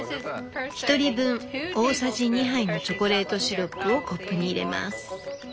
「１人分大さじ２杯のチョコレートシロップをコップに入れます。